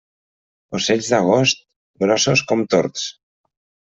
Ocells d'agost, grossos com tords.